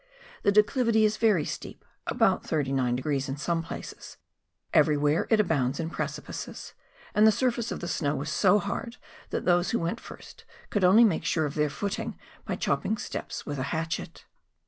The declivity is very steep, about 39 degrees in some places ; everywhere it abounds in precipices, and the surface of the snow was so hard that tliose who went first could only make sure of their footing by chopping steps with a hatchet.